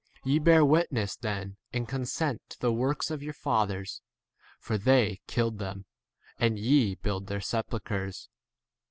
Ye bear witness then and consent to the works of your fathers ; for they killed them, 49 and ye build their sepulchres.